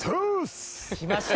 きました。